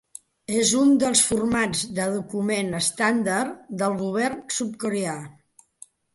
És un dels formats de document estàndard del govern sud-coreà.